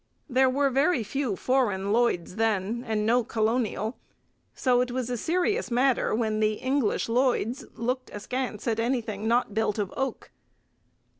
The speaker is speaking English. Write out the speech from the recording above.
There were very few foreign 'Lloyd's' then, and no colonial; so it was a serious matter when the English Lloyd's looked askance at anything not built of oak.